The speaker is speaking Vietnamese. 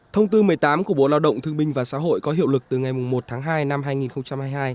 thông tư một mươi tám của bộ lao động thương binh và xã hội có hiệu lực từ ngày một tháng hai năm hai nghìn hai mươi hai